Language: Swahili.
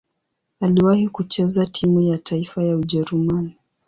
Aliwahi kucheza timu ya taifa ya Ujerumani.